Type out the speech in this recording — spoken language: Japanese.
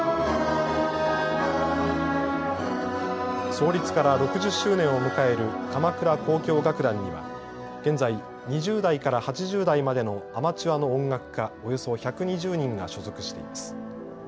創立から６０周年を迎える鎌倉交響楽団には現在２０代から８０代までのアマチュアの音楽家およそ１２０人が所属しています。